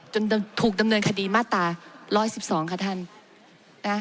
จนถูกดำเนินคดีมาตราร้อยสิบสองค่ะท่านนะ